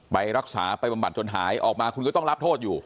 ไปรักษาไปบำบัดจนหายออกมาคุณก็ต้องรับโทษอยู่